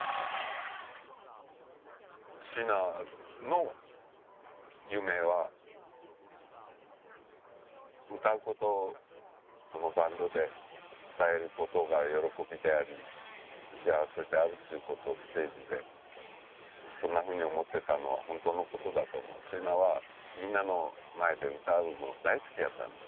シーナの夢は歌うことこのバンドで歌えることが喜びであり幸せであるっちゅうことをステージでそんなふうに思ってたのはホントのことだと思うシーナはみんなの前で歌うの大好きやったんです